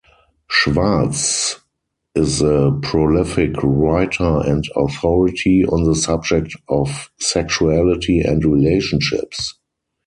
Schwartz is a prolific writer and authority on the subject of sexuality and relationships.